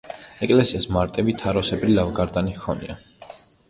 ეკლესიას მარტივი, თაროსებრი ლავგარდანი ჰქონია.